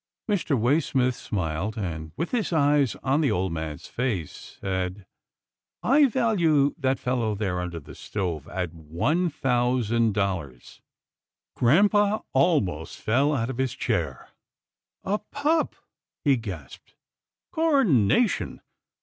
Mr. Waysmith smiled, and, with his eyes on the old man's face, said, " I value that fellow there un der the stove at one thousand dollars." Grampa almost fell out of his chair. " A pup," he gasped, " Coronation